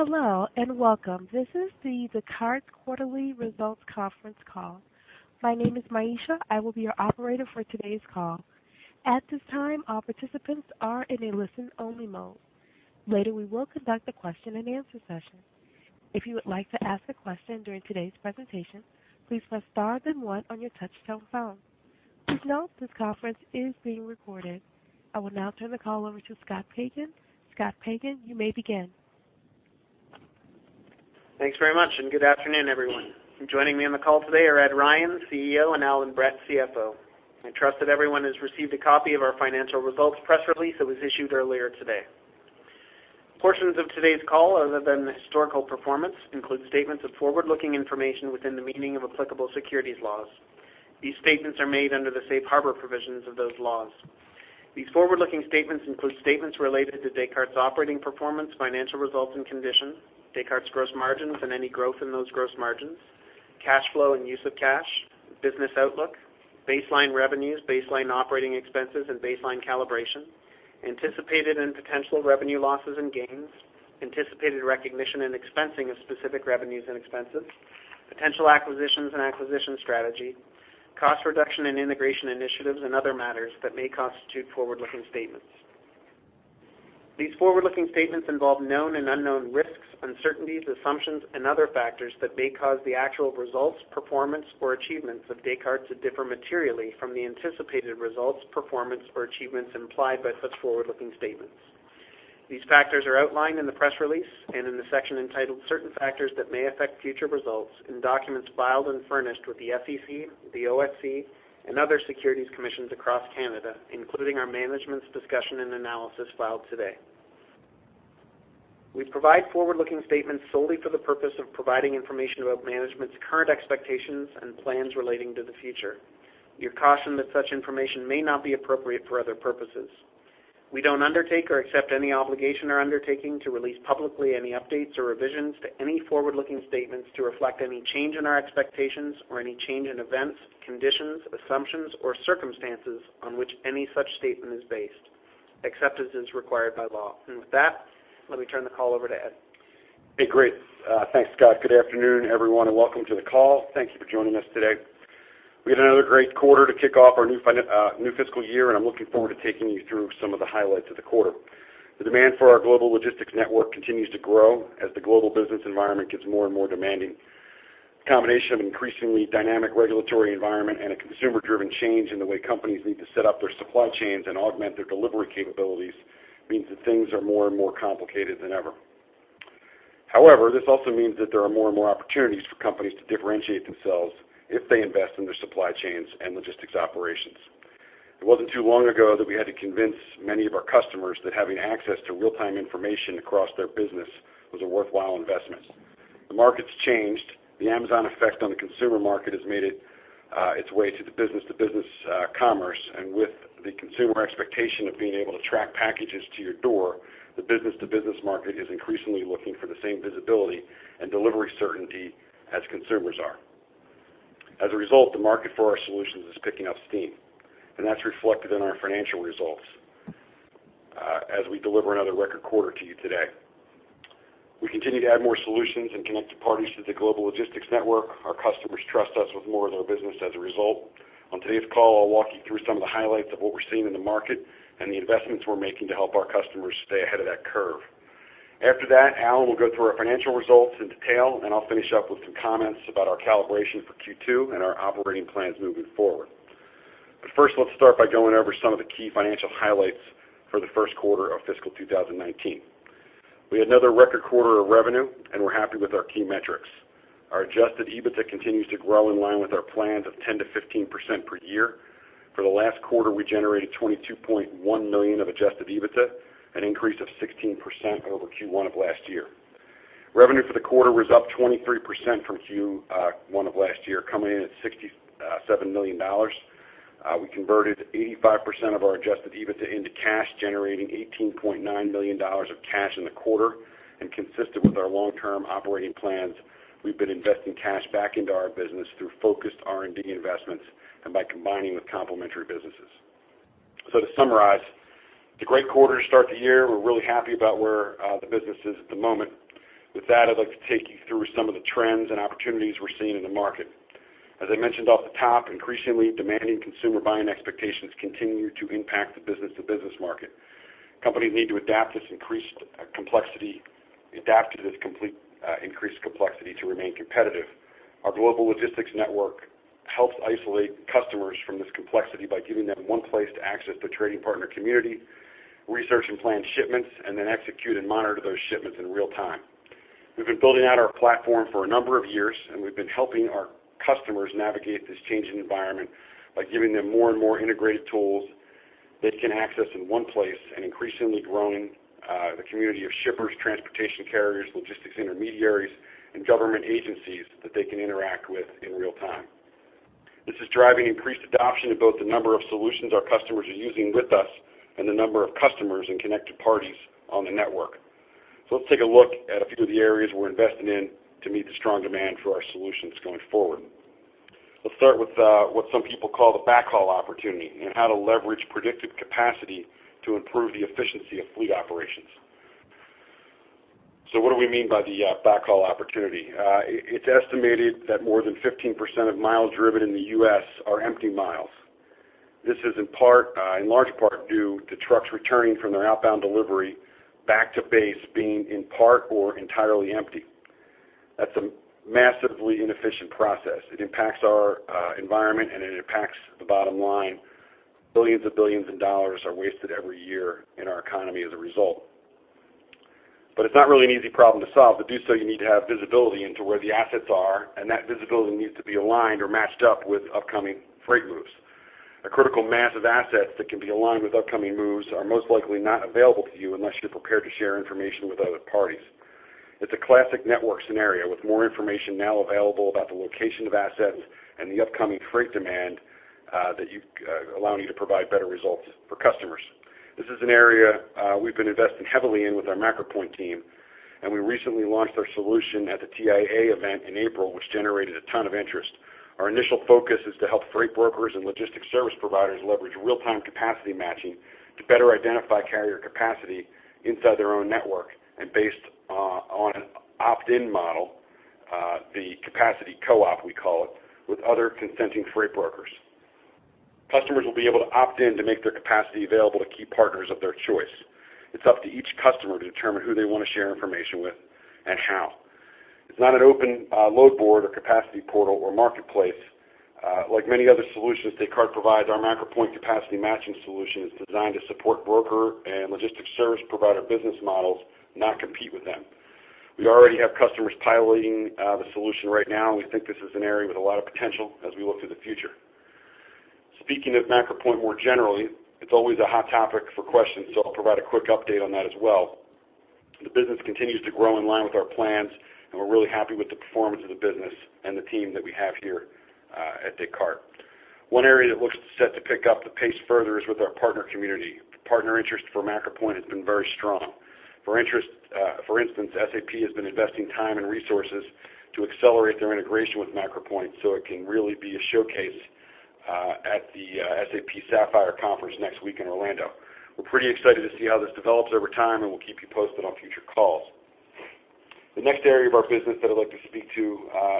Hello and welcome. This is the Descartes quarterly results conference call. My name is Maisha. I will be your operator for today's call. At this time, all participants are in a listen-only mode. Later, we will conduct a question and answer session. If you would like to ask a question during today's presentation, please press star then one on your touchtone phone. Please note this conference is being recorded. I will now turn the call over to Scott Pagan. Scott Pagan, you may begin. Thanks very much. Good afternoon, everyone. Joining me on the call today are Ed Ryan, CEO, and Allan Brett, CFO. I trust that everyone has received a copy of our financial results press release that was issued earlier today. Portions of today's call, other than the historical performance, include statements of forward-looking information within the meaning of applicable securities laws. These statements are made under the Safe Harbor provisions of those laws. These forward-looking statements include statements related to Descartes' operating performance, financial results, and condition, Descartes' gross margins and any growth in those gross margins, cash flow and use of cash, business outlook, baseline revenues, baseline operating expenses, and baseline calibration, anticipated and potential revenue losses and gains, anticipated recognition and expensing of specific revenues and expenses, potential acquisitions and acquisition strategy, cost reduction and integration initiatives, and other matters that may constitute forward-looking statements. These forward-looking statements involve known and unknown risks, uncertainties, assumptions, and other factors that may cause the actual results, performance, or achievements of Descartes to differ materially from the anticipated results, performance, or achievements implied by such forward-looking statements. These factors are outlined in the press release and in the section entitled Certain Factors That May Affect Future Results in documents filed and furnished with the SEC, the OSC, and other securities commissions across Canada, including our management's discussion and analysis filed today. We provide forward-looking statements solely for the purpose of providing information about management's current expectations and plans relating to the future. You're cautioned that such information may not be appropriate for other purposes. We don't undertake or accept any obligation or undertaking to release publicly any updates or revisions to any forward-looking statements to reflect any change in our expectations or any change in events, conditions, assumptions, or circumstances on which any such statement is based, except as is required by law. With that, let me turn the call over to Ed. Hey, great. Thanks, Scott. Good afternoon, everyone, and welcome to the call. Thank you for joining us today. We had another great quarter to kick off our new fiscal year. I'm looking forward to taking you through some of the highlights of the quarter. The demand for our Global Logistics Network continues to grow as the global business environment gets more and more demanding. The combination of an increasingly dynamic regulatory environment and a consumer-driven change in the way companies need to set up their supply chains and augment their delivery capabilities means that things are more and more complicated than ever. This also means that there are more and more opportunities for companies to differentiate themselves if they invest in their supply chains and logistics operations. It wasn't too long ago that we had to convince many of our customers that having access to real-time information across their business was a worthwhile investment. The market's changed. The Amazon effect on the consumer market has made its way to the business-to-business commerce. With the consumer expectation of being able to track packages to your door, the business-to-business market is increasingly looking for the same visibility and delivery certainty as consumers are. As a result, the market for our solutions is picking up steam, and that's reflected in our financial results as we deliver another record quarter to you today. We continue to add more solutions and connect to parties to the Global Logistics Network. Our customers trust us with more of their business as a result. On today's call, I'll walk you through some of the highlights of what we're seeing in the market and the investments we're making to help our customers stay ahead of that curve. After that, Allan will go through our financial results in detail. I'll finish up with some comments about our calibration for Q2 and our operating plans moving forward. First, let's start by going over some of the key financial highlights for the of fiscal 2019. We had another record quarter of revenue, and we're happy with our key metrics. Our Adjusted EBITDA continues to grow in line with our plans of 10%-15% per year. For the last quarter, we generated $22.1 million of Adjusted EBITDA, an increase of 16% over Q1 of last year. Revenue for the quarter was up 23% from Q1 of last year, coming in at $67 million. We converted 85% of our Adjusted EBITDA into cash, generating $18.9 million of cash in the quarter. Consistent with our long-term operating plans, we've been investing cash back into our business through focused R&D investments and by combining with complementary businesses. To summarize, it's a great quarter to start the year. We're really happy about where the business is at the moment. With that, I'd like to take you through some of the trends and opportunities we're seeing in the market. As I mentioned off the top, increasingly demanding consumer buying expectations continue to impact the business-to-business market. Companies need to adapt to this increased complexity to remain competitive. Our Global Logistics Network helps isolate customers from this complexity by giving them one place to access the trading partner community, research and plan shipments, and then execute and monitor those shipments in real time. We've been building out our platform for a number of years, we've been helping our customers navigate this changing environment by giving them more and more integrated tools they can access in one place, and increasingly growing the community of shippers, transportation carriers, logistics intermediaries, and government agencies that they can interact with in real time. This is driving increased adoption of both the number of solutions our customers are using with us and the number of customers and connected parties on the network. Let's take a look at a few of the areas we're investing in to meet the strong demand for our solutions going forward. Let's start with what some people call the backhaul opportunity and how to leverage predictive capacity to improve the efficiency of fleet operations. What do we mean by the backhaul opportunity? It's estimated that more than 15% of miles driven in the U.S. are empty miles. This is in large part due to trucks returning from their outbound delivery back to base being in part or entirely empty. That's a massively inefficient process. It impacts our environment and it impacts the bottom line. Billions of dollars are wasted every year in our economy as a result. It's not really an easy problem to solve. To do so, you need to have visibility into where the assets are, and that visibility needs to be aligned or matched up with upcoming freight moves. A critical mass of assets that can be aligned with upcoming moves are most likely not available to you unless you're prepared to share information with other parties. It's a classic network scenario with more information now available about the location of assets and the upcoming freight demand allowing you to provide better results for customers. This is an area we've been investing heavily in with our MacroPoint team, and we recently launched our solution at the TIA event in April, which generated a ton of interest. Our initial focus is to help freight brokers and logistics service providers leverage real-time capacity matching to better identify carrier capacity inside their own network and based on an opt-in model, the Capacity Co-op we call it, with other consenting freight brokers. Customers will be able to opt in to make their capacity available to key partners of their choice. It's up to each customer to determine who they want to share information with and how. It's not an open load board or capacity portal or marketplace. Like many other solutions Descartes provides, our MacroPoint capacity matching solution is designed to support broker and logistics service provider business models, not compete with them. Speaking of MacroPoint more generally, it's always a hot topic for questions, I'll provide a quick update on that as well. The business continues to grow in line with our plans, we're really happy with the performance of the business and the team that we have here at Descartes. One area that looks set to pick up the pace further is with our partner community. Partner interest for MacroPoint has been very strong. For instance, SAP has been investing time and resources to accelerate their integration with MacroPoint, so it can really be a showcase at the SAP Sapphire conference next week in Orlando. We're pretty excited to see how this develops over time, and we'll keep you posted on future calls. The next area of our business that I'd like to speak to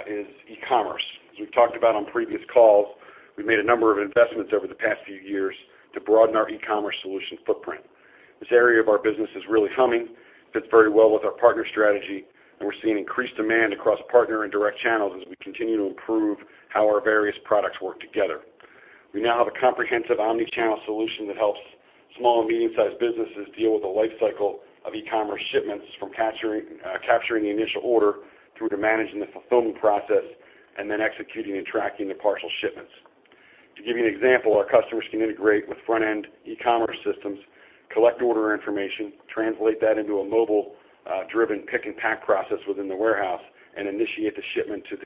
is e-commerce. As we've talked about on previous calls, we've made a number of investments over the past few years to broaden our e-commerce solution footprint. This area of our business is really humming, fits very well with our partner strategy, and we're seeing increased demand across partner and direct channels as we continue to improve how our various products work together. We now have a comprehensive omni-channel solution that helps small and medium-sized businesses deal with the life cycle of e-commerce shipments from capturing the initial order through to managing the fulfillment process, and then executing and tracking the parcel shipments. To give you an example, our customers can integrate with front-end e-commerce systems, collect order information, translate that into a mobile-driven pick and pack process within the warehouse, and initiate the shipment to the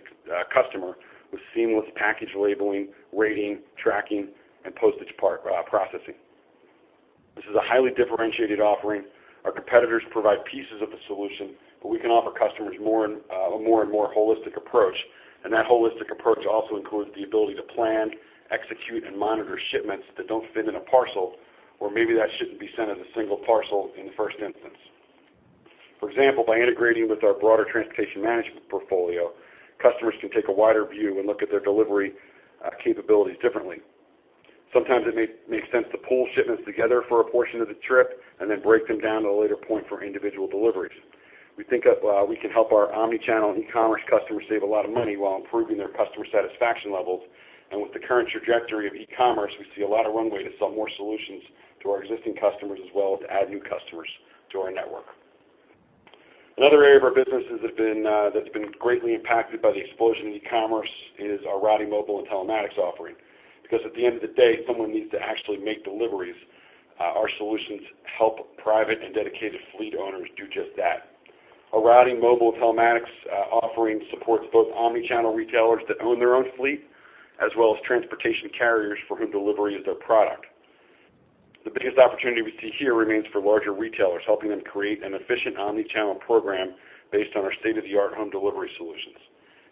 customer with seamless package labeling, rating, tracking, and postage processing. This is a highly differentiated offering. Our competitors provide pieces of the solution, but we can offer customers a more and more holistic approach, and that holistic approach also includes the ability to plan, execute, and monitor shipments that don't fit in a parcel, or maybe that shouldn't be sent as a single parcel in the first instance. For example, by integrating with our broader transportation management portfolio, customers can take a wider view and look at their delivery capabilities differently. Sometimes it may make sense to pool shipments together for a portion of the trip and then break them down at a later point for individual deliveries. We think we can help our omni-channel and e-commerce customers save a lot of money while improving their customer satisfaction levels. With the current trajectory of e-commerce, we see a lot of runway to sell more solutions to our existing customers, as well as add new customers to our network. Another area of our business that's been greatly impacted by the explosion in e-commerce is our routing mobile and telematics offering. At the end of the day, someone needs to actually make deliveries. Our solutions help private and dedicated fleet owners do just that. Our routing mobile telematics offering supports both omni-channel retailers that own their own fleet, as well as transportation carriers for whom delivery is their product. The biggest opportunity we see here remains for larger retailers, helping them create an efficient omni-channel program based on our state-of-the-art home delivery solutions.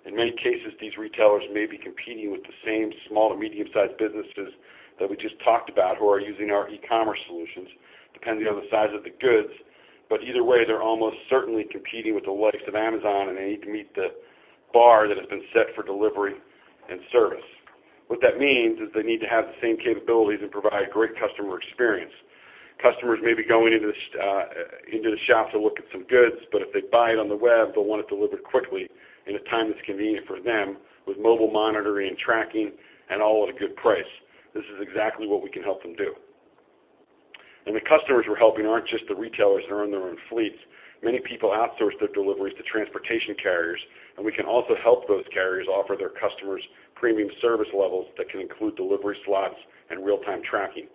In many cases, these retailers may be competing with the same small or medium-sized businesses that we just talked about who are using our e-commerce solutions, depending on the size of the goods. Either way, they're almost certainly competing with the likes of Amazon, and they need to meet the bar that has been set for delivery and service. What that means is they need to have the same capabilities and provide a great customer experience. Customers may be going into the shop to look at some goods, but if they buy it on the web, they'll want it delivered quickly in a time that's convenient for them with mobile monitoring and tracking and all at a good price. This is exactly what we can help them do. The customers we're helping aren't just the retailers that own their own fleets. Many people outsource their deliveries to transportation carriers, and we can also help those carriers offer their customers premium service levels that can include delivery slots and real-time tracking.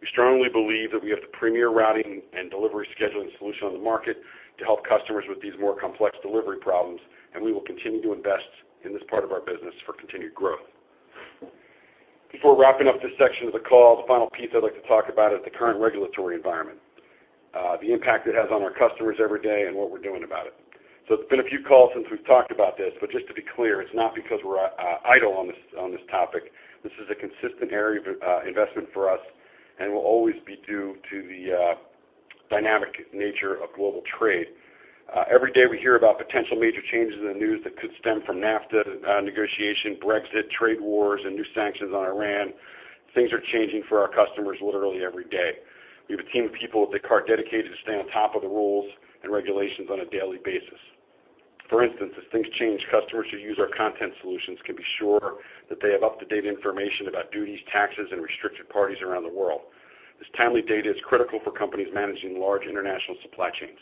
We strongly believe that we have the premier routing and delivery scheduling solution on the market to help customers with these more complex delivery problems, and we will continue to invest in this part of our business for continued growth. Before wrapping up this section of the call, the final piece I'd like to talk about is the current regulatory environment, the impact it has on our customers every day, and what we're doing about it. It's been a few calls since we've talked about this, but just to be clear, it's not because we're idle on this topic. This is a consistent area of investment for us and will always be due to the dynamic nature of global trade. Every day, we hear about potential major changes in the news that could stem from NAFTA negotiation, Brexit, trade wars, and new sanctions on Iran. Things are changing for our customers literally every day. We have a team of people at Descartes dedicated to staying on top of the rules and regulations on a daily basis. For instance, as things change, customers who use our content solutions can be sure that they have up-to-date information about duties, taxes, and restricted parties around the world. This timely data is critical for companies managing large international supply chains.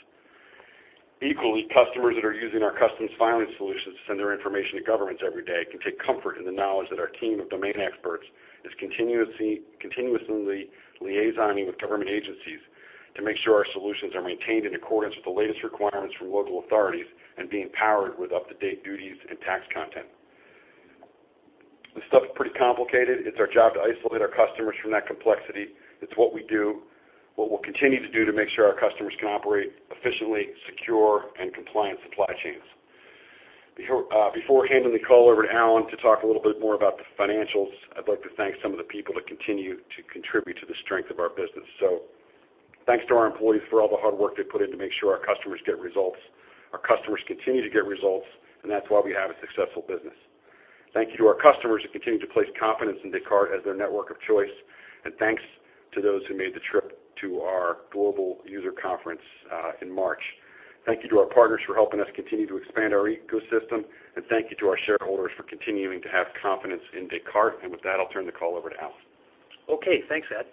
Equally, customers that are using our customs filing solutions to send their information to governments every day can take comfort in the knowledge that our team of domain experts is continuously liaising with government agencies to make sure our solutions are maintained in accordance with the latest requirements from local authorities and being powered with up-to-date duties and tax content. This stuff is pretty complicated. It's our job to isolate our customers from that complexity. It's what we do, what we'll continue to do to make sure our customers can operate efficiently, secure, and compliant supply chains. Before handing the call over to Allan to talk a little bit more about the financials, I'd like to thank some of the people that continue to contribute to the strength of our business. Thanks to our employees for all the hard work they put in to make sure our customers get results. Our customers continue to get results, and that's why we have a successful business. Thank you to our customers who continue to place confidence in Descartes as their network of choice. Thanks to those who made the trip to our global user conference in March. Thank you to our partners for helping us continue to expand our ecosystem. Thank you to our shareholders for continuing to have confidence in Descartes. With that, I'll turn the call over to Allan. Thanks, Ed.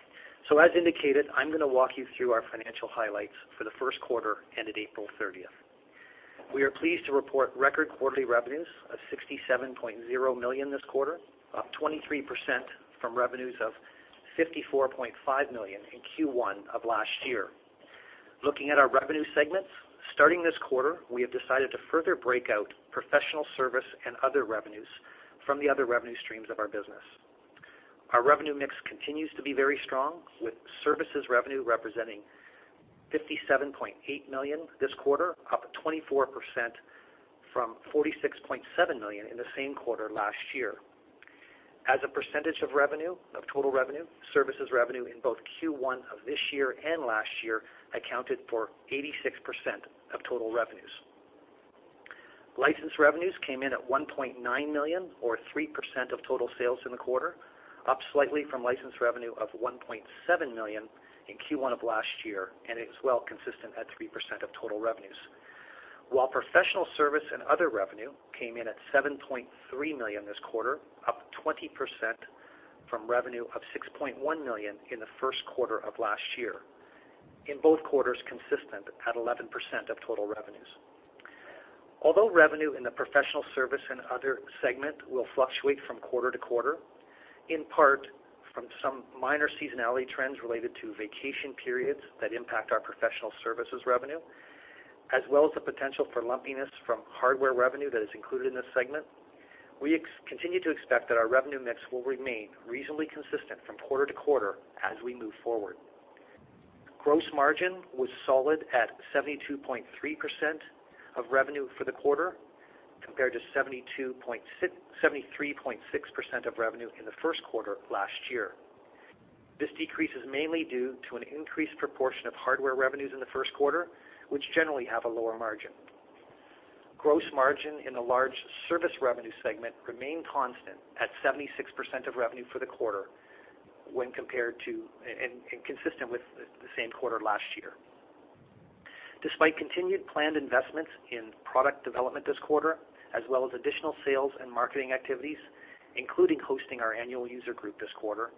As indicated, I'm going to walk you through our financial highlights for the Q1 ended April 30th. We are pleased to report record quarterly revenues of $67.0 million this quarter, up 23% from revenues of $54.5 million in Q1 of last year. Looking at our revenue segments, starting this quarter, we have decided to further break out professional service and other revenues from the other revenue streams of our business. Our revenue mix continues to be very strong, with services revenue representing $57.8 million this quarter, up 24% from $46.7 million in the same quarter last year. As a percentage of total revenue, services revenue in both Q1 of this year and last year accounted for 86% of total revenues. License revenues came in at $1.9 million or 3% of total sales in the quarter, up slightly from license revenue of $1.7 million in Q1 of last year, and is well consistent at 3% of total revenues. Professional service and other revenue came in at $7.3 million this quarter, up 20% from revenue of $6.1 million in the Q1 of last year. In both quarters, consistent at 11% of total revenues. Although revenue in the professional service and other segment will fluctuate from quarter to quarter, in part from some minor seasonality trends related to vacation periods that impact our professional services revenue, as well as the potential for lumpiness from hardware revenue that is included in this segment, we continue to expect that our revenue mix will remain reasonably consistent from quarter to quarter as we move forward. Gross margin was solid at 72.3% of revenue for the quarter, compared to 73.6% of revenue in the Q1 last year. This decrease is mainly due to an increased proportion of hardware revenues in the Q1, which generally have a lower margin. Gross margin in the large service revenue segment remained constant at 76% of revenue for the quarter and consistent with the same quarter last year. Despite continued planned investments in product development this quarter, as well as additional sales and marketing activities, including hosting our annual user group this quarter,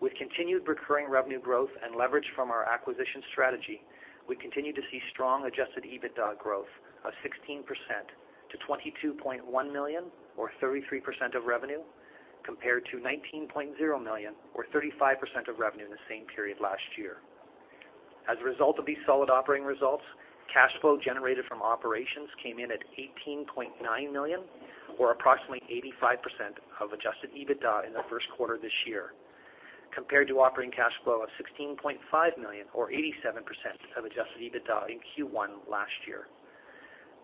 with continued recurring revenue growth and leverage from our acquisition strategy, we continue to see strong Adjusted EBITDA growth of 16% to $22.1 million or 33% of revenue, compared to $19.0 million or 35% of revenue in the same period last year. As a result of these solid operating results, cash flow generated from operations came in at $18.9 million or approximately 85% of Adjusted EBITDA in the Q1 this year, compared to operating cash flow of $16.5 million or 87% of Adjusted EBITDA in Q1 last year.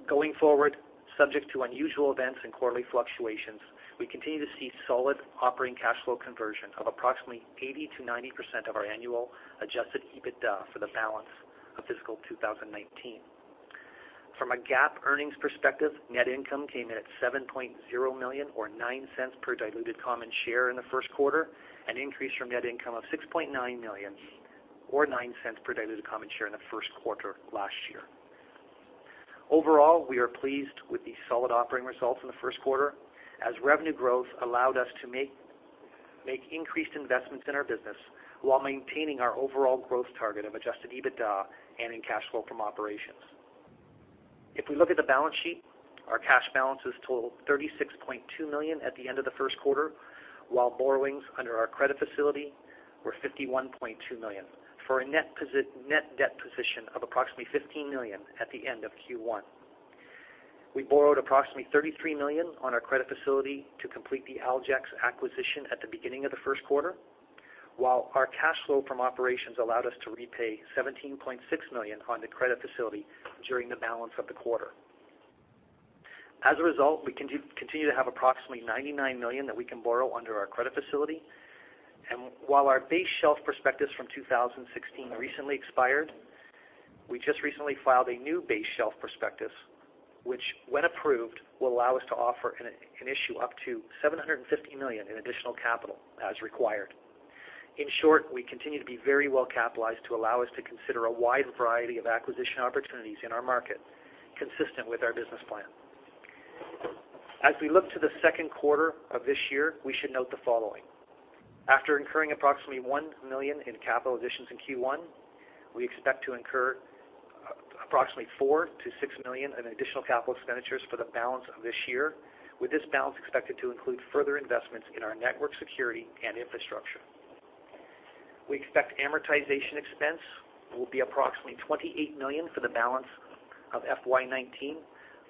Going forward, subject to unusual events and quarterly fluctuations, we continue to see solid operating cash flow conversion of approximately 80%-90% of our annual Adjusted EBITDA for the balance of fiscal 2019. From a GAAP earnings perspective, net income came in at $7.0 million or $0.09 per diluted common share in the Q1, an increase from net income of $6.9 million or $0.09 per diluted common share in the Q1 last year. Overall, we are pleased with the solid operating results in the Q1, as revenue growth allowed us to make increased investments in our business while maintaining our overall growth target of Adjusted EBITDA and in cash flow from operations. If we look at the balance sheet, our cash balances totaled $36.2 million at the end of the Q1, while borrowings under our credit facility were $51.2 million, for a net debt position of approximately $15 million at the end of Q1. We borrowed approximately $33 million on our credit facility to complete the Aljex acquisition at the beginning of the Q1, while our cash flow from operations allowed us to repay $17.6 million on the credit facility during the balance of the quarter. As a result, we continue to have approximately $99 million that we can borrow under our credit facility. While our base shelf prospectus from 2016 recently expired, we just recently filed a new base shelf prospectus, which, when approved, will allow us to offer and issue up to $750 million in additional capital as required. In short, we continue to be very well-capitalized to allow us to consider a wide variety of acquisition opportunities in our market, consistent with our business plan. As we look to the Q2 of this year, we should note the following. After incurring approximately $1 million in capital additions in Q1, we expect to incur approximately $4 million-$6 million in additional capital expenditures for the balance of this year, with this balance expected to include further investments in our network security and infrastructure. We expect amortization expense will be approximately $28 million for the balance of FY 2019,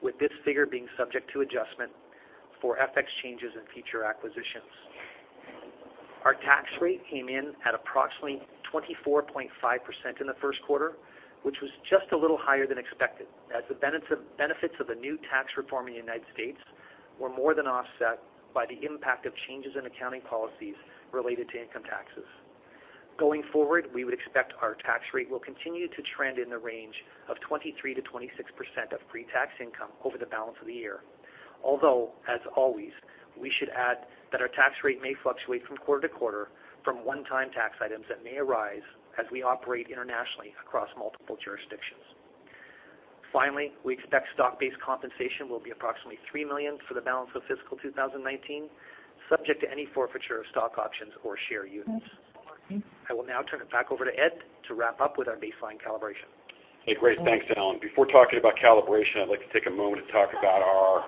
with this figure being subject to adjustment for FX changes in future acquisitions. Our tax rate came in at approximately 24.5% in the Q1, which was just a little higher than expected, as the benefits of the new tax reform in the United States were more than offset by the impact of changes in accounting policies related to income taxes. Going forward, we would expect our tax rate will continue to trend in the range of 23%-26% of pre-tax income over the balance of the year. As always, we should add that our tax rate may fluctuate from quarter to quarter from one-time tax items that may arise as we operate internationally across multiple jurisdictions. Finally, we expect stock-based compensation will be approximately $3 million for the balance of fiscal 2019, subject to any forfeiture of stock options or share units. I will now turn it back over to Ed to wrap up with our baseline calibration. Hey, great. Thanks, Allan. Before talking about calibration, I'd like to take a moment to talk about our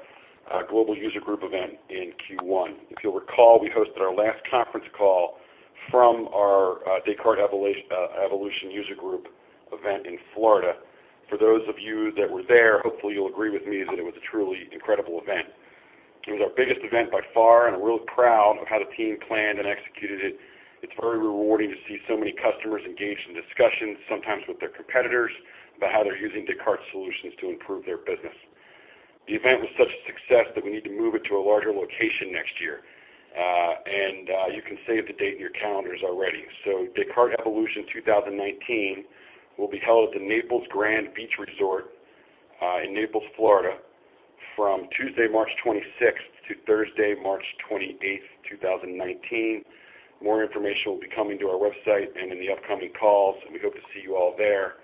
global user group event in Q1. If you'll recall, we hosted our last conference call from our Descartes Evolution User Group event in Florida. For those of you that were there, hopefully you'll agree with me that it was a truly incredible event. It was our biggest event by far. I'm real proud of how the team planned and executed it. It's very rewarding to see so many customers engaged in discussions, sometimes with their competitors, about how they're using Descartes solutions to improve their business. The event was such a success that we need to move it to a larger location next year. You can save the date in your calendars already. Descartes Evolution 2019 will be held at the Naples Grande Beach Resort, in Naples, Florida, from Tuesday, March 26th to Thursday, March 28th, 2019. More information will be coming to our website and in the upcoming calls, we hope to see you all there.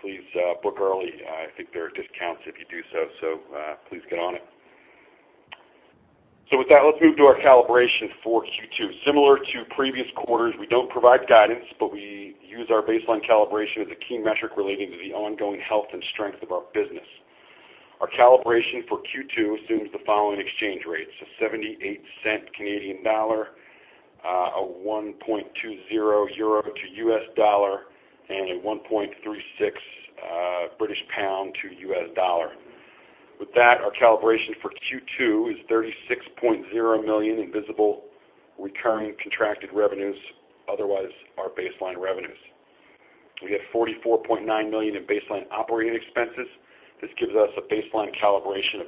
Please book early. I think there are discounts if you do so, please get on it. With that, let's move to our calibration for Q2. Similar to previous quarters, we do not provide guidance, but we use our baseline calibration as a key metric relating to the ongoing health and strength of our business. Our calibration for Q2 assumes the following exchange rates: a 78-cent Canadian dollar, a 1.20 euro to US dollar, and a 1.36 British pound to US dollar. With that, our calibration for Q2 is $36.0 million in visible recurring contracted revenues, otherwise our baseline revenues. We have $44.9 million in baseline operating expenses. This gives us a baseline calibration of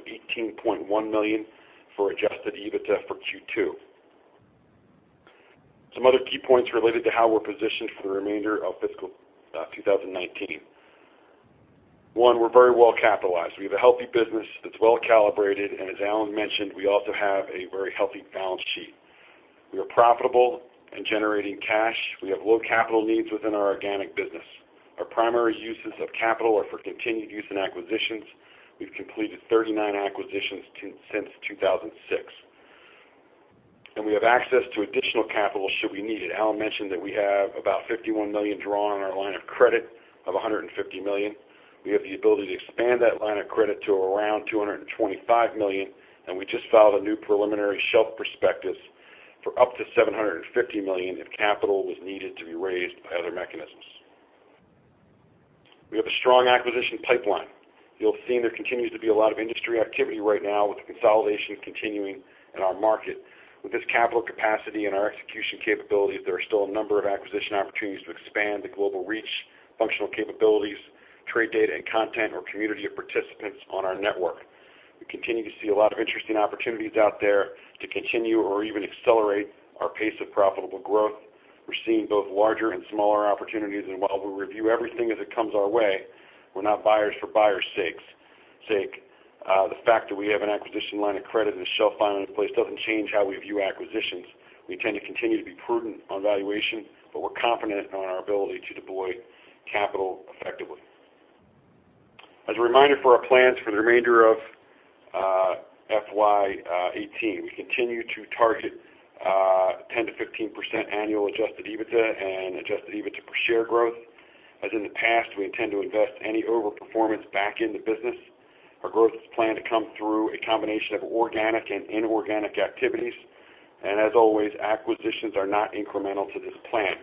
$18.1 million for Adjusted EBITDA for Q2. Some other key points related to how we are positioned for the remainder of fiscal 2019. One, we are very well capitalized. We have a healthy business that is well calibrated, and as Allan mentioned, we also have a very healthy balance sheet. We are profitable and generating cash. We have low capital needs within our organic business. Our primary uses of capital are for continued use in acquisitions. We have completed 39 acquisitions since 2006. We have access to additional capital should we need it. Allan mentioned that we have about $51 million drawn on our line of credit of $150 million. We have the ability to expand that line of credit to around $225 million, we just filed a new preliminary shelf prospectus for up to $750 million if capital was needed to be raised by other mechanisms. We have a strong acquisition pipeline. You will have seen there continues to be a lot of industry activity right now, with the consolidation continuing in our market. With this capital capacity and our execution capabilities, there are still a number of acquisition opportunities to expand the global reach, functional capabilities, trade data and content, or community of participants on our network. We continue to see a lot of interesting opportunities out there to continue or even accelerate our pace of profitable growth. We are seeing both larger and smaller opportunities, and while we will review everything as it comes our way, we are not buyers for buyers' sake. The fact that we have an acquisition line of credit and a shelf filing in place does not change how we view acquisitions. We intend to continue to be prudent on valuation, we are confident on our ability to deploy capital effectively. As a reminder for our plans for the remainder of FY 2018, we continue to target 10%-15% annual Adjusted EBITDA and Adjusted EBITDA per share growth. As in the past, we intend to invest any overperformance back in the business. Our growth is planned to come through a combination of organic and inorganic activities. As always, acquisitions are not incremental to this plan.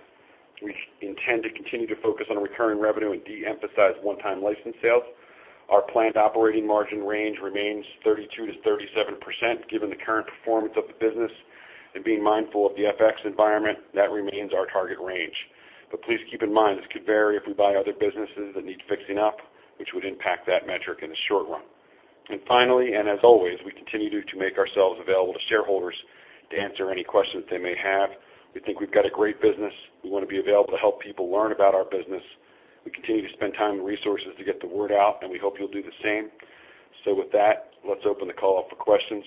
We intend to continue to focus on recurring revenue and de-emphasize one-time license sales. Our planned operating margin range remains 32%-37%, given the current performance of the business and being mindful of the FX environment, that remains our target range. Please keep in mind, this could vary if we buy other businesses that need fixing up, which would impact that metric in the short run. Finally, and as always, we continue to make ourselves available to shareholders to answer any questions they may have. We think we've got a great business. We want to be available to help people learn about our business. We continue to spend time and resources to get the word out, and we hope you'll do the same. With that, let's open the call up for questions.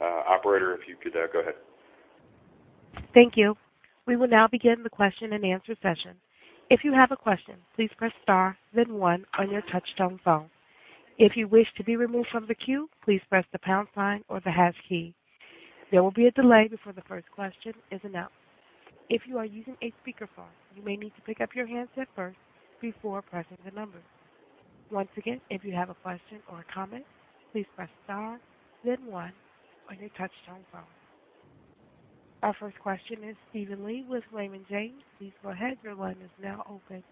Operator, if you could go ahead. Thank you. We will now begin the question and answer session. If you have a question, please press star, then one on your touchtone phone. If you wish to be removed from the queue, please press the pound sign or the hash key. There will be a delay before the first question is announced. If you are using a speakerphone, you may need to pick up your handset first before pressing the numbers. Once again, if you have a question or a comment, please press star, then one on your touchtone phone. Our first question is Steven Li with Raymond James. Please go ahead. Your line is now open.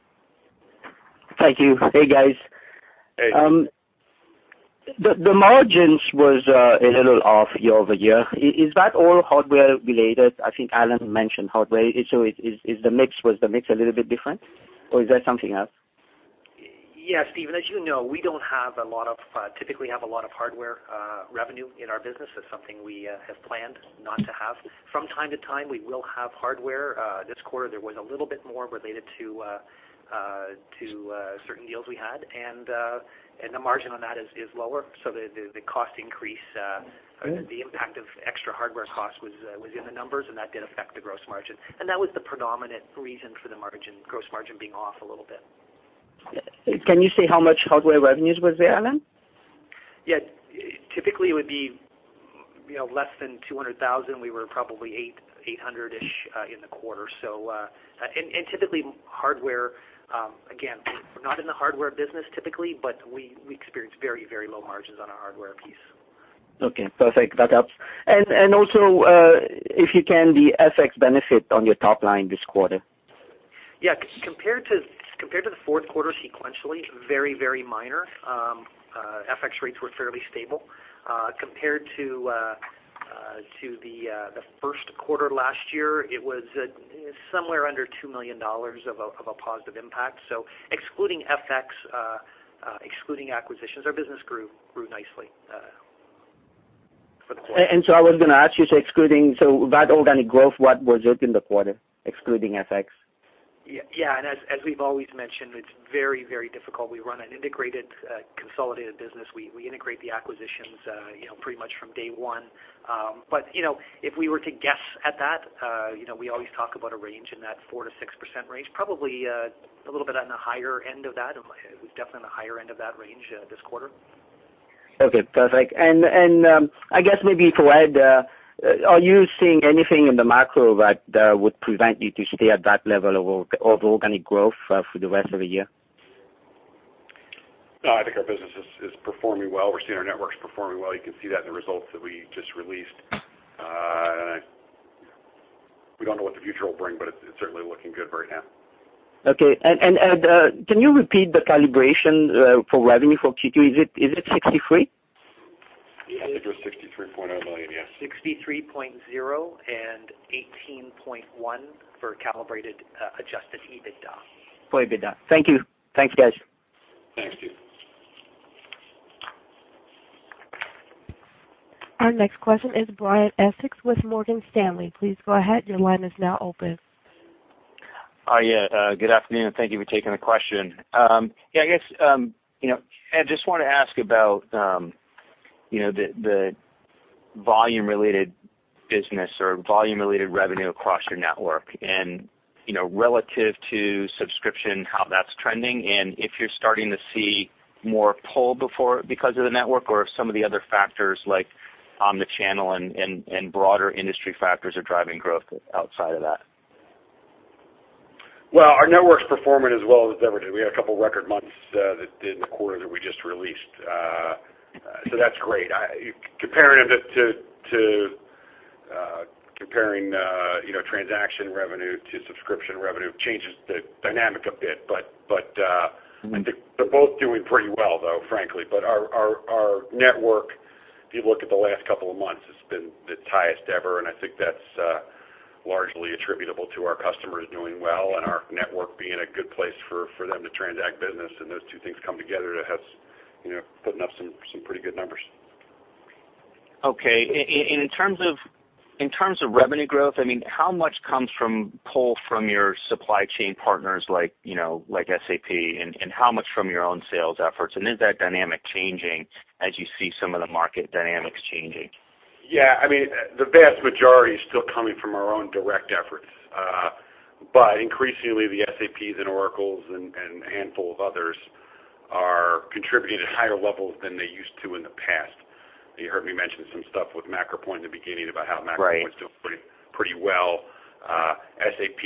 Thank you. Hey, guys. Hey. The margins was a little off year-over-year. Is that all hardware related? I think Allan mentioned hardware. Was the mix a little bit different, or is that something else? Yeah. Steven, as you know, we don't typically have a lot of hardware revenue in our business. It's something we have planned not to have. From time to time, we will have hardware. This quarter, there was a little bit more related to certain deals we had, and the margin on that is lower. The cost increase, the impact of extra hardware cost was in the numbers, and that did affect the gross margin. That was the predominant reason for the gross margin being off a little bit. Can you say how much hardware revenues was there, Allan? Yeah. Typically, it would be less than $200,000. We were probably $800-ish in the quarter. Typically, hardware, again, we're not in the hardware business typically, but we experience very low margins on our hardware piece. Okay, perfect. That helps. Also, if you can, the FX benefit on your top line this quarter. Yeah. Compared to the Q4 sequentially, very minor. FX rates were fairly stable. Compared to the Q1 last year, it was somewhere under $2 million of a positive impact. Excluding FX, excluding acquisitions, our business grew nicely for the quarter. I was going to ask you, that organic growth, what was up in the quarter, excluding FX? Yeah. As we've always mentioned, it's very difficult. We run an integrated, consolidated business. We integrate the acquisitions pretty much from day one. If we were to guess at that, we always talk about a range in that 4%-6% range, probably a little bit on the higher end of that. It was definitely on the higher end of that range this quarter. Okay, perfect. I guess maybe for Ed, are you seeing anything in the macro that would prevent you to stay at that level of organic growth for the rest of the year? No, I think our business is performing well. We're seeing our networks performing well. You can see that in the results that we just released. We don't know what the future will bring, but it's certainly looking good right now. Okay. Ed, can you repeat the calibration for revenue for Q2? Is it $63? Yeah. I think it was $63.0 million, yes. $63.0 and $18.1 for calibrated Adjusted EBITDA. For EBITDA. Thank you. Thanks, guys. Thanks, Steven. Our next question is Brian Essex with Morgan Stanley. Please go ahead. Your line is now open. Yeah. Good afternoon. Thank you for taking the question. Yeah, I guess, Ed, just want to ask about the volume-related business or volume-related revenue across your network, and relative to subscription, how that's trending, and if you're starting to see more pull because of the network or if some of the other factors like on the channel and broader industry factors are driving growth outside of that. Our network's performing as well as it ever did. We had a couple of record months in the quarter that we just released. That's great. Comparing transaction revenue to subscription revenue changes the dynamic a bit, I think they're both doing pretty well, though, frankly. Our network, if you look at the last couple of months, it's been its highest ever, and I think that's largely attributable to our customers doing well and our network being a good place for them to transact business. Those two things come together to putting up some pretty good numbers. Okay. In terms of revenue growth, how much comes from pull from your supply chain partners like SAP, how much from your own sales efforts, is that dynamic changing as you see some of the market dynamics changing? Yeah. The vast majority is still coming from our own direct efforts. Increasingly, the SAPs and Oracles and a handful of others are contributing at higher levels than they used to in the past. You heard me mention some stuff with MacroPoint in the beginning about how MacroPoint Right was doing pretty well. SAP,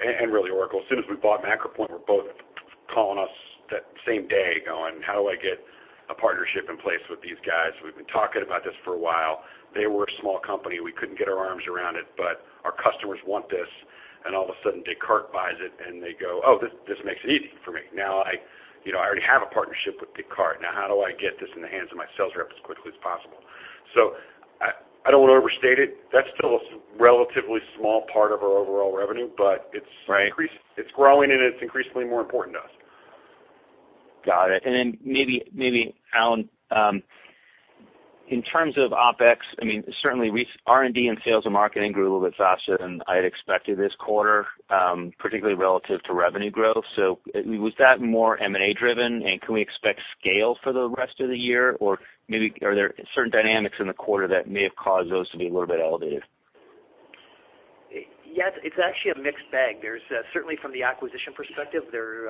and really Oracle, as soon as we bought MacroPoint, were both calling us that same day going, "How do I get a partnership in place with these guys? We've been talking about this for a while." They were a small company. We couldn't get our arms around it, our customers want this, all of a sudden Descartes buys it and they go, "Oh, this makes it easy for me. I already have a partnership with Descartes. How do I get this in the hands of my sales rep as quickly as possible?" I don't want to overstate it. That's still a relatively small part of our overall revenue. Right increasing. It's growing. It's increasingly more important to us. Got it. Maybe, Allan, in terms of OpEx, certainly R&D and sales and marketing grew a little bit faster than I'd expected this quarter, particularly relative to revenue growth. Was that more M&A driven, can we expect scale for the rest of the year? Maybe are there certain dynamics in the quarter that may have caused those to be a little bit elevated? Yes, it's actually a mixed bag. Certainly from the acquisition perspective, there's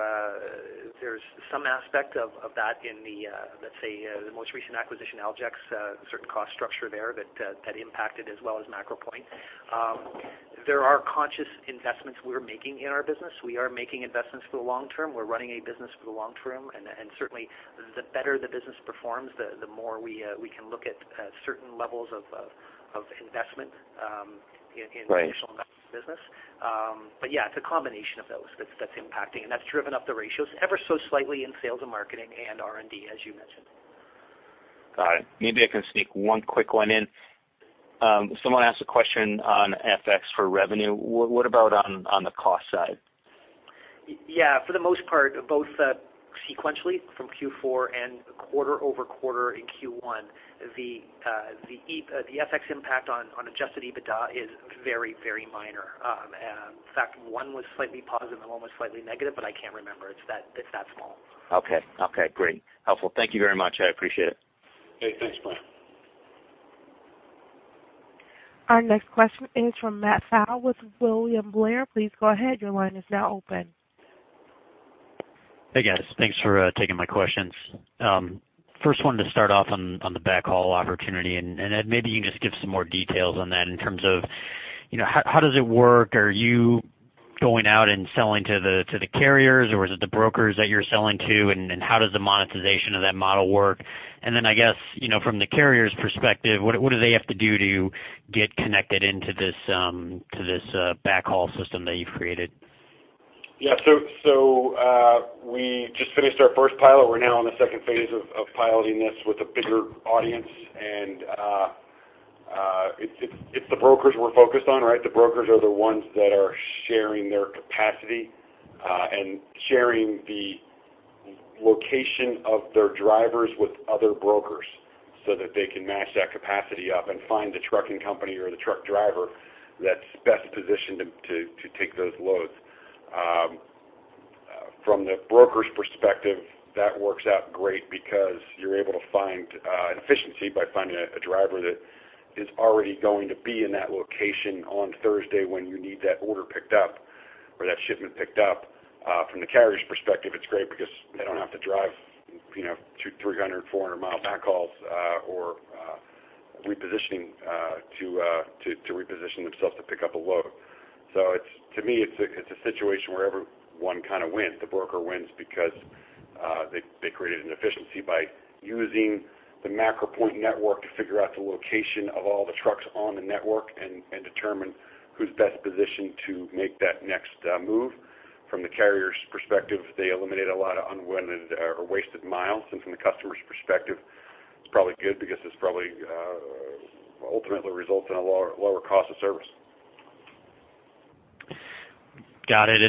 some aspect of that in the, let's say, the most recent acquisition, Aljex, a certain cost structure there that impacted, as well as MacroPoint. There are conscious investments we're making in our business. We are making investments for the long term. We're running a business for the long term. Certainly the better the business performs, the more we can look at certain levels of investment. Right in additional business. Yeah, it's a combination of those that's impacting, and that's driven up the ratios ever so slightly in sales and marketing and R&D, as you mentioned. Got it. Maybe I can sneak one quick one in. Someone asked a question on FX for revenue. What about on the cost side? Yeah, for the most part, both sequentially from Q4 and quarter-over-quarter in Q1, the FX impact on Adjusted EBITDA is very minor. In fact, one was slightly positive and one was slightly negative, but I can't remember. It's that small. Okay, great. Helpful. Thank you very much. I appreciate it. Hey, thanks, Brian. Our next question is from Matthew Pfau with William Blair. Please go ahead. Your line is now open. Hey, guys. Thanks for taking my questions. First wanted to start off on the backhaul opportunity, maybe you can just give some more details on that in terms of how does it work? Are you going out and selling to the carriers, or is it the brokers that you're selling to? How does the monetization of that model work? I guess, from the carrier's perspective, what do they have to do to get connected into this backhaul system that you've created? Yeah. We just finished our first pilot. We're now on the 2 phase of piloting this with a bigger audience. It's the brokers we're focused on, right? The brokers are the ones that are sharing their capacity, and sharing the location of their drivers with other brokers so that they can match that capacity up and find the trucking company or the truck driver that's best positioned to take those loads. From the broker's perspective, that works out great because you're able to find an efficiency by finding a driver that is already going to be in that location on Thursday when you need that order picked up, or that shipment picked up. From the carrier's perspective, it's great because they don't have to drive 300, 400 mile backhauls or repositioning to reposition themselves to pick up a load. To me, it's a situation where everyone kind of wins. The broker wins because they created an efficiency by using the MacroPoint network to figure out the location of all the trucks on the network and determine who's best positioned to make that next move. From the carrier's perspective, they eliminate a lot of unwanted or wasted miles. From the customer's perspective, it's probably good because this probably ultimately results in a lower cost of service. Got it.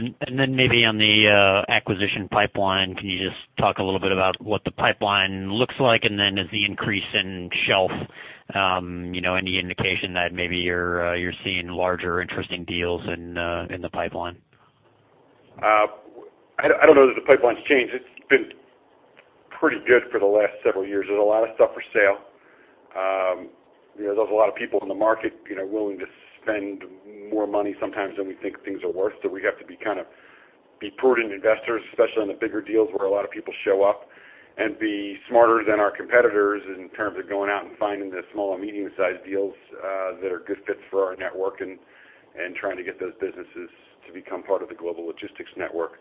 Maybe on the acquisition pipeline, can you just talk a little bit about what the pipeline looks like? Does the increase in shelf any indication that maybe you're seeing larger interesting deals in the pipeline? I don't know that the pipeline's changed. It's been pretty good for the last several years. There's a lot of stuff for sale. There's a lot of people in the market willing to spend more money sometimes than we think things are worth. We have to be prudent investors, especially on the bigger deals where a lot of people show up, and be smarter than our competitors in terms of going out and finding the small and medium-sized deals that are good fits for our network and trying to get those businesses to become part of the Global Logistics Network.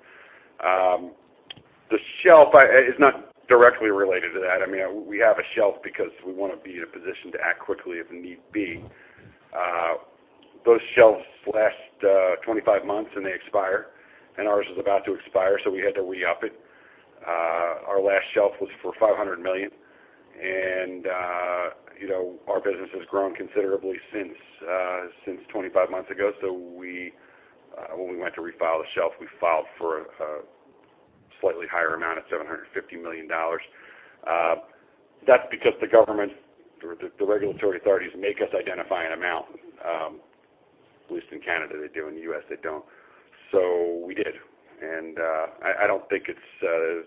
The shelf is not directly related to that. We have a shelf because we want to be in a position to act quickly if need be. Those shelves last 25 months and they expire, and ours was about to expire, so we had to re-up it. Our last shelf was for $500 million, our business has grown considerably since 25 months ago. When we went to refile the shelf, we filed for a slightly higher amount of $750 million. That's because the government or the regulatory authorities make us identify an amount. At least in Canada they do. In the U.S., they don't. We did, I don't think it's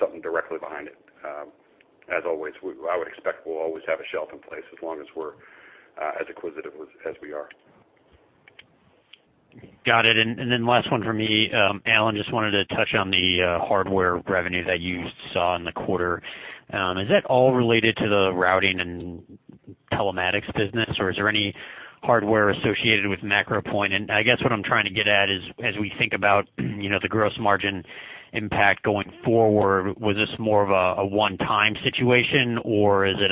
something directly behind it. As always, I would expect we'll always have a shelf in place as long as we're as acquisitive as we are. Got it. Last one from me. Allan, just wanted to touch on the hardware revenue that you saw in the quarter. Is that all related to the routing and telematics business or is there any hardware associated with MacroPoint? I guess what I'm trying to get at is, as we think about the gross margin impact going forward, was this more of a one-time situation or is it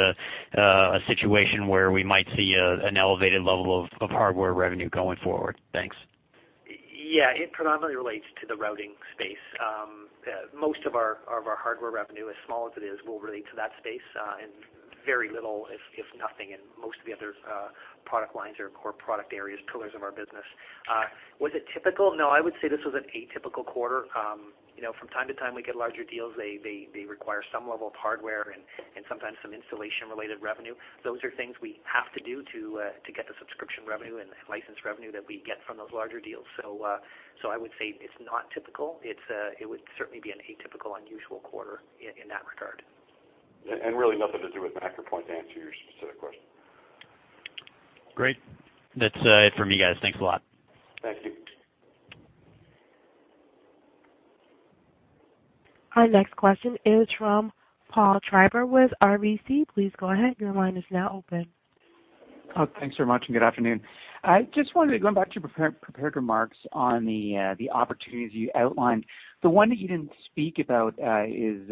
a situation where we might see an elevated level of hardware revenue going forward? Thanks. Yeah, it predominantly relates to the routing space. Most of our hardware revenue, as small as it is, will relate to that space, and very little, if nothing in most of the other product lines or core product areas, pillars of our business. Was it typical? No, I would say this was an atypical quarter. From time to time, we get larger deals. They require some level of hardware and sometimes some installation-related revenue. Those are things we have to do to get the subscription revenue and license revenue that we get from those larger deals. I would say it's not typical. It would certainly be an atypical, unusual quarter in that regard. Really nothing to do with MacroPoint, to answer your specific question. Great. That's it from me, guys. Thanks a lot. Thank you. Our next question is from Paul Treiber with RBC. Please go ahead. Your line is now open. Thanks very much, and good afternoon. I just wanted to go back to your prepared remarks on the opportunities you outlined. The one that you didn't speak about is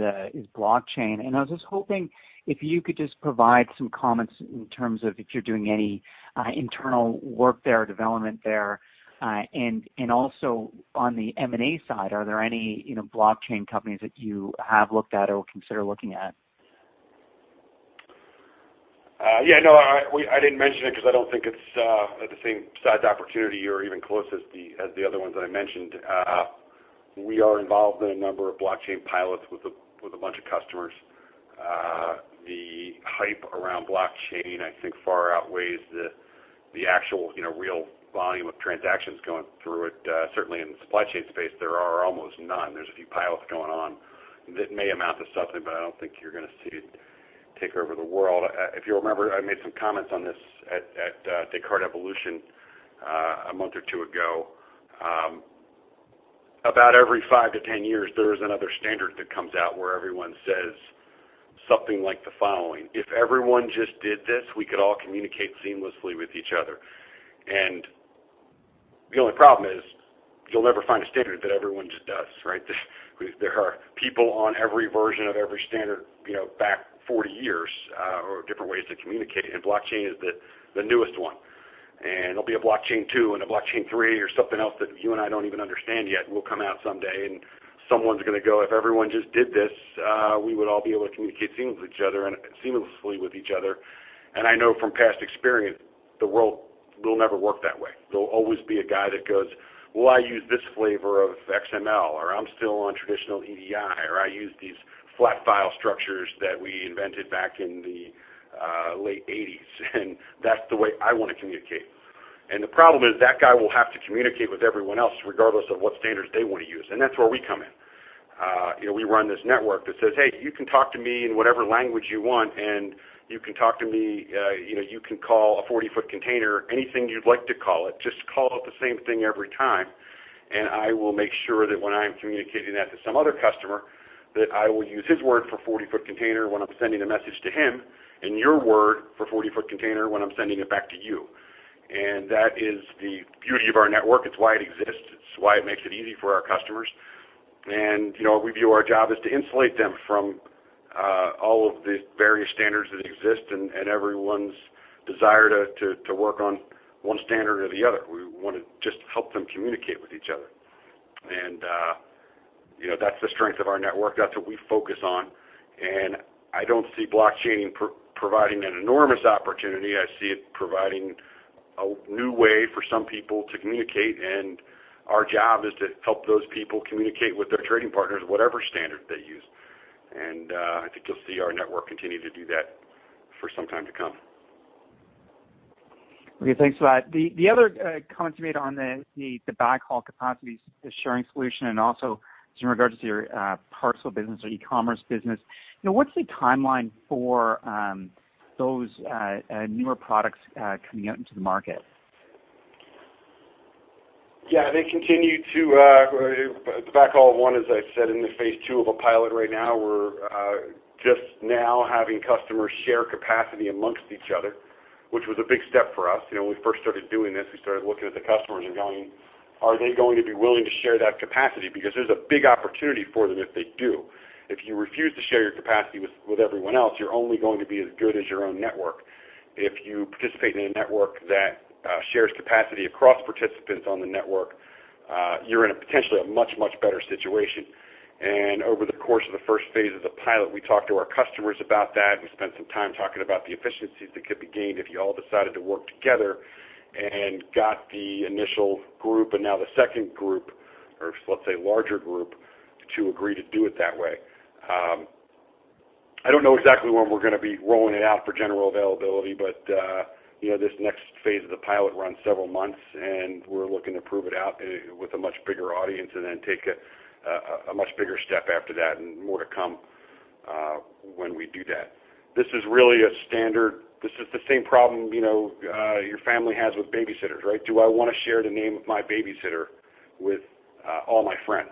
blockchain. I was just hoping if you could just provide some comments in terms of if you're doing any internal work there or development there. Also on the M&A side, are there any blockchain companies that you have looked at or consider looking at? No, I didn't mention it because I don't think it's the same size opportunity or even close as the other ones that I mentioned. We are involved in a number of blockchain pilots with a bunch of customers. The hype around blockchain, I think, far outweighs the actual real volume of transactions going through it. Certainly in the supply chain space, there are almost none. There's a few pilots going on that may amount to something, but I don't think you're going to see it take over the world. If you remember, I made some comments on this at Descartes Evolution a month or two ago. About every five to 10 years, there is another standard that comes out where everyone says something like the following, "If everyone just did this, we could all communicate seamlessly with each other." The only problem is you'll never find a standard that everyone just does, right? There are people on every version of every standard back 40 years or different ways to communicate. Blockchain is the newest one. There'll be a blockchain two and a blockchain three or something else that you and I don't even understand yet will come out someday, and someone's going to go, "If everyone just did this, we would all be able to communicate seamlessly with each other." I know from past experience, the world will never work that way. There'll always be a guy that goes, "Well, I use this flavor of XML" or "I'm still on traditional EDI," or "I use these flat file structures that we invented back in the late '80s, and that's the way I want to communicate." The problem is that guy will have to communicate with everyone else, regardless of what standards they want to use, and that's where we come in. We run this network that says, "Hey, you can talk to me in whatever language you want, and you can call a 40-foot container anything you'd like to call it. Just call it the same thing every time, and I will make sure that when I'm communicating that to some other customer, that I will use his word for 40-foot container when I'm sending a message to him and your word for 40-foot container when I'm sending it back to you." That is the beauty of our network. It's why it exists. It's why it makes it easy for our customers. We view our job is to insulate them from all of the various standards that exist and everyone's desire to work on one standard or the other. We want to just help them communicate with each other. That's the strength of our network. That's what we focus on. I don't see blockchain providing an enormous opportunity. I see it providing a new way for some people to communicate, and our job is to help those people communicate with their trading partners, whatever standard they use. I think you'll see our network continue to do that for some time to come. Okay, thanks for that. The other comments you made on the backhaul capacity sharing solution and also in regards to your parcel business or e-commerce business, what's the timeline for those newer products coming out into the market? The backhaul one, as I said, in the phase two of a pilot right now. We're just now having customers share capacity amongst each other, which was a big step for us. When we first started doing this, we started looking at the customers and going, "Are they going to be willing to share that capacity?" Because there's a big opportunity for them if they do. If you refuse to share your capacity with everyone else, you're only going to be as good as your own network. If you participate in a network that shares capacity across participants on the network, you're in a potentially a much, much better situation. Over the course of the first phase of the pilot, we talked to our customers about that. We spent some time talking about the efficiencies that could be gained if you all decided to work together and got the initial group and now the second group, or let's say larger group, to agree to do it that way. I don't know exactly when we're going to be rolling it out for general availability, but this next phase of the pilot runs several months, and we're looking to prove it out with a much bigger audience and then take a much bigger step after that and more to come when we do that. This is the same problem your family has with babysitters, right? Do I want to share the name of my babysitter with all my friends?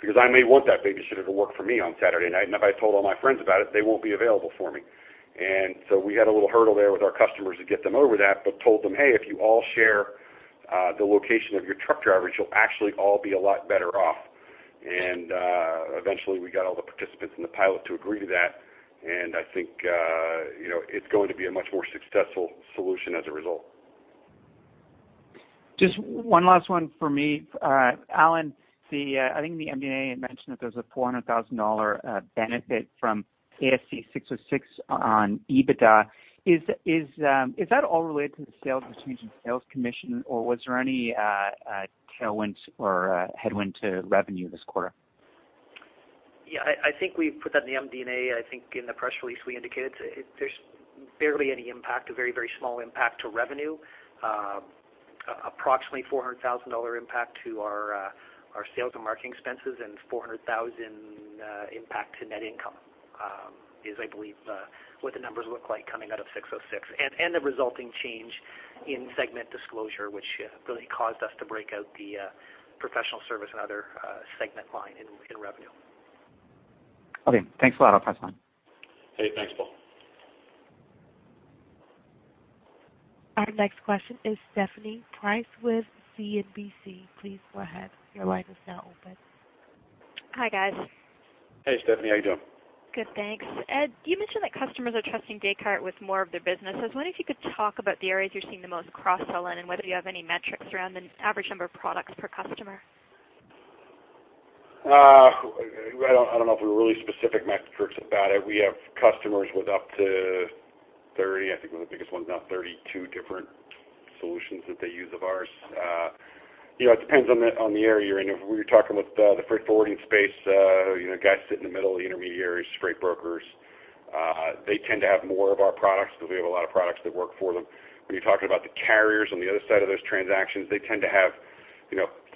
Because I may want that babysitter to work for me on Saturday night, and if I told all my friends about it, they won't be available for me. We had a little hurdle there with our customers to get them over that, but told them, "Hey, if you all share the location of your truck drivers, you'll actually all be a lot better off." Eventually, we got all the participants in the pilot to agree to that. I think, it's going to be a much more successful solution as a result. Just one last one from me. Allan, I think the MD&A had mentioned that there's a $400,000 benefit from ASC 606 on EBITDA. Is that all related to the sales change in sales commission, or was there any tailwind or headwind to revenue this quarter? Yeah, I think we put that in the MD&A. I think in the press release, we indicated there's barely any impact, a very small impact to revenue. Approximately $400,000 impact to our sales and marketing expenses and $400,000 impact to net income, is, I believe, what the numbers look like coming out of 606. The resulting change in segment disclosure, which really caused us to break out the professional service and other segment line in revenue. Okay, thanks a lot. I'll pass on. Hey, thanks, Paul. Our next question is Stephanie Price with CIBC. Please go ahead. Your line is now open. Hi, guys. Hey, Stephanie. How you doing? Good, thanks. Ed, you mentioned that customers are trusting Descartes with more of their businesses. I was wondering if you could talk about the areas you're seeing the most cross-sell in, and whether you have any metrics around the average number of products per customer. I don't know if we have really specific metrics about it. We have customers with up to 30, I think one of the biggest ones now, 32 different solutions that they use of ours. It depends on the area you're in. If we were talking about the freight forwarding space, guys sit in the middle, the intermediaries, freight brokers, they tend to have more of our products because we have a lot of products that work for them. When you're talking about the carriers on the other side of those transactions, they tend to have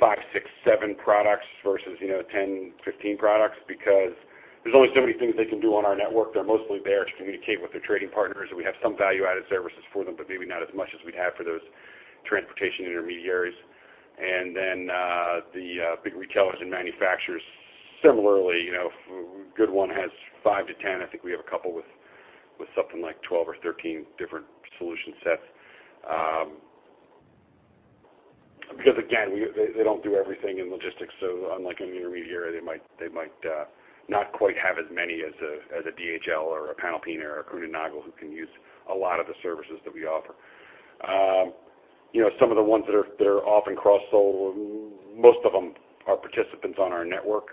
five, six, seven products versus 10, 15 products because there's only so many things they can do on our network. They're mostly there to communicate with their trading partners, and we have some value-added services for them, but maybe not as much as we'd have for those transportation intermediaries. The big retailers and manufacturers similarly, a good one has five to 10. I think we have a couple with something like 12 or 13 different solution sets. Because again, they don't do everything in logistics, so unlike an intermediary, they might not quite have as many as a DHL or a Panalpina or a Kuehne+Nagel who can use a lot of the services that we offer. Some of the ones that are often cross-sold, most of them are participants on our network.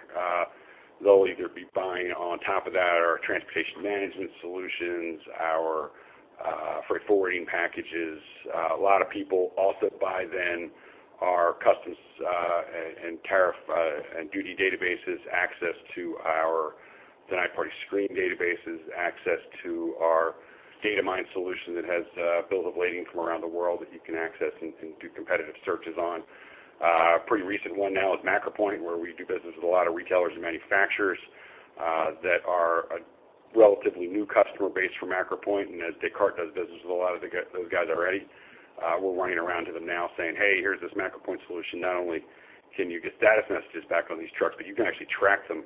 They'll either be buying on top of that our transportation management solutions, our freight forwarding packages. A lot of people also buy then our customs and tariff and duty databases, access to our third party screen databases, access to our Datamyne solution that has bills of lading from around the world that you can access and can do competitive searches on. A pretty recent one now is MacroPoint, where we do business with a lot of retailers and manufacturers, that are a relatively new customer base for MacroPoint. As Descartes does business with a lot of those guys already, we're running around to them now saying, "Hey, here's this MacroPoint solution. Not only can you get status messages back on these trucks, but you can actually track them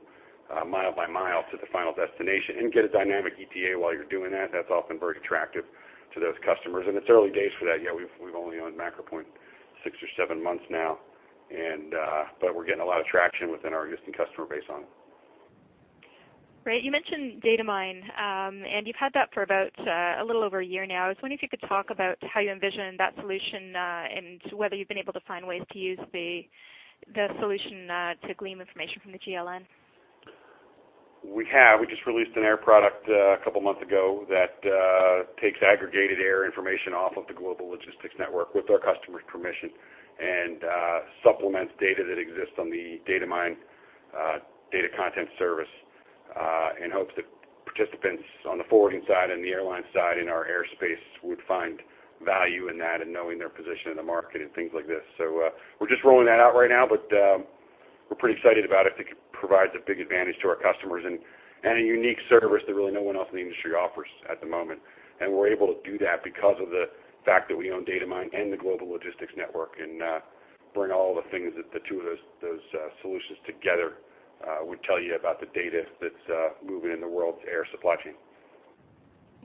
mile by mile to the final destination and get a dynamic ETA while you're doing that." That's often very attractive to those customers. It's early days for that yet. We've only owned MacroPoint six or seven months now. We're getting a lot of traction within our existing customer base on it. Great. You mentioned Descartes Datamyne, you've had that for about a little over a year now. I was wondering if you could talk about how you envision that solution, and whether you've been able to find ways to use the solution to glean information from the GLN. We have. We just released an air product a couple of months ago that takes aggregated air information off of the Global Logistics Network with our customer's permission, and supplements data that exists on the Descartes Datamyne data content service, in hopes that participants on the forwarding side and the airline side in our airspace would find value in that and knowing their position in the market and things like this. We're just rolling that out right now, we're pretty excited about it. I think it provides a big advantage to our customers and a unique service that really no one else in the industry offers at the moment. We're able to do that because of the fact that we own Descartes Datamyne and the Global Logistics Network and bring all the things that the two of those solutions together, will tell you about the data that's moving in the world's air supply chain.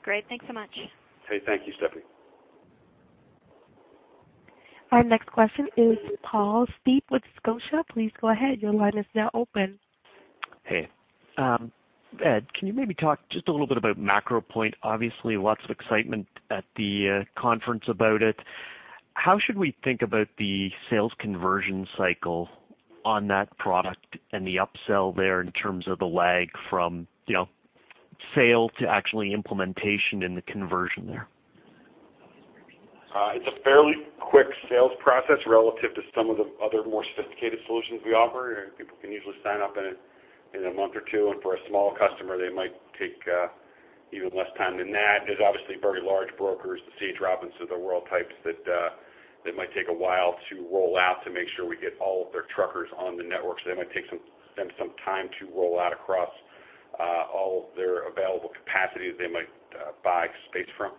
Great. Thanks so much. Hey, thank you, Stephanie. Our next question is Paul Steep with Scotiabank. Please go ahead. Your line is now open. Hey. Ed, can you maybe talk just a little bit about MacroPoint? Obviously, lots of excitement at the conference about it. How should we think about the sales conversion cycle on that product and the upsell there in terms of the lag from sale to actually implementation in the conversion there? It's a fairly quick sales process relative to some of the other more sophisticated solutions we offer. People can usually sign up in a month or two, and for a small customer, they might take even less time than that. There's obviously very large brokers, the C.H. Robinson of the world types that might take a while to roll out to make sure we get all of their truckers on the network. That might take them some time to roll out across all of their available capacity that they might buy space from.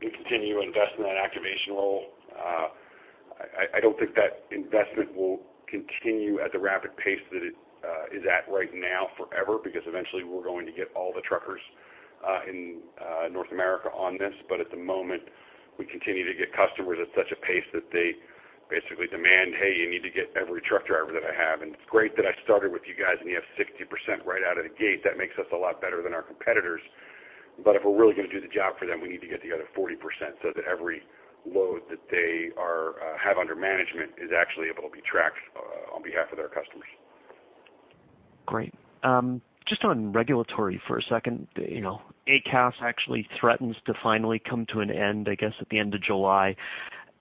Continue to invest in that activation role. I don't think that investment will continue at the rapid pace that it is at right now forever, because eventually we're going to get all the truckers in North America on this. At the moment, we continue to get customers at such a pace that they basically demand, "Hey, you need to get every truck driver that I have, and it's great that I started with you guys, and you have 60% right out of the gate. That makes us a lot better than our competitors. If we're really going to do the job for them, we need to get the other 40%, so that every load that they have under management is actually able to be tracked on behalf of their customers. Great. Just on regulatory for a second. ACAS actually threatens to finally come to an end, I guess, at the end of July.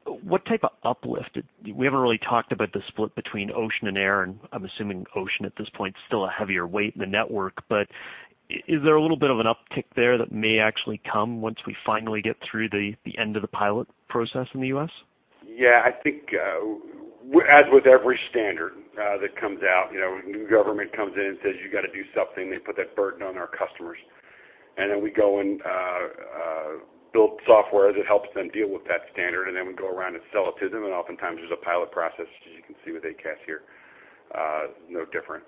We haven't really talked about the split between ocean and air, and I'm assuming ocean at this point is still a heavier weight in the network. Is there a little bit of an uptick there that may actually come once we finally get through the end of the pilot process in the U.S.? I think as with every standard that comes out, when new government comes in and says, "You got to do something," they put that burden on our customers. Then we go and build software that helps them deal with that standard, then we go around and sell it to them, oftentimes there's a pilot process, as you can see with ACAS here. No different.